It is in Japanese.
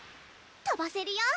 飛ばせるよ。